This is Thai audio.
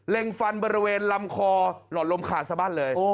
เลงฟันบะเวียนลำคอหล่อนลมขาดสบัตย์เลย